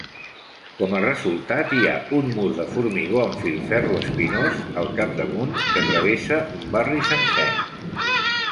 Com a resultat, hi ha un mur de formigó amb filferro espinós al capdamunt que travessa un barri sencer.